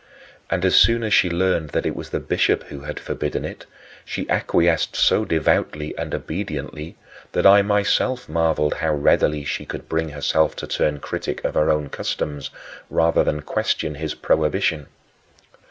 And as soon as she learned that it was the bishop who had forbidden it, she acquiesced so devoutly and obediently that I myself marveled how readily she could bring herself to turn critic of her own customs, rather than question his prohibition.